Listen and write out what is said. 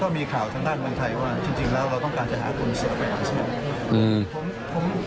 มีข่าวทางด้านเมืองไทยว่าจริงแล้วเราต้องการจะหาคนเสียไปอาเซียน